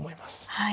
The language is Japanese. はい。